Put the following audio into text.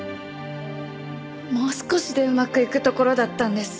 もう少しでうまくいくところだったんです。